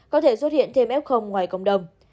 có thể xuất hiện thêm f ngoài cộng đồng